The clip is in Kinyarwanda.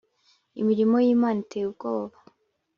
imirimo y’imana iteye ubwoba